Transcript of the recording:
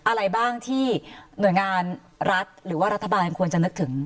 อะไรบ้างที่หน่วยงานรัฐหรือว่ารัฐบาลควรจะนึกถึง